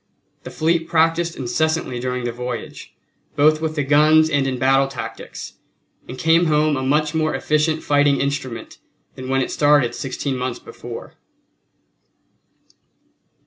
The fleet practiced incessantly during the voyage, both with the guns and in battle tactics, and came home a much more efficient fighting instrument than when it started sixteen months before.